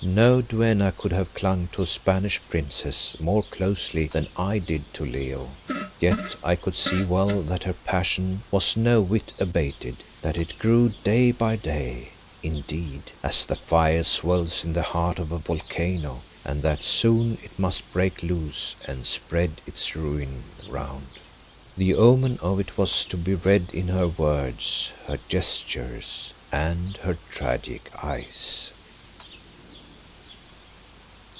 No duenna could have clung to a Spanish princess more closely than I did to Leo. Yet I could see well that her passion was no whit abated; that it grew day by day, indeed, as the fire swells in the heart of a volcano, and that soon it must break loose and spread its ruin round. The omen of it was to be read in her words, her gestures, and her tragic eyes.